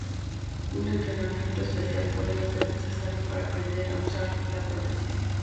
Un entrenamiento especial podría ser necesario para aprender a usar la prótesis.